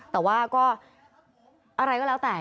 แต่ว่าก็อะไรก็แล้วแต่